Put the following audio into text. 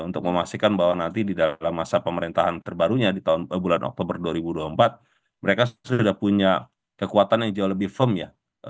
untuk memastikan bahwa nanti di dalam masa pemerintahan terbarunya di bulan oktober dua ribu dua puluh empat mereka sudah punya kekuatan yang jauh lebih firm ya